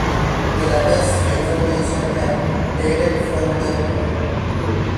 The latter's reformation had dated from that moment.